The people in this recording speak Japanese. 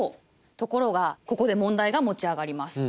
ところがここで問題が持ち上がります。